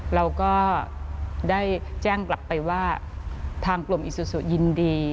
เราก็ได้แจ้งกลับไปว่าทางกลุ่มอิซูซูยินดี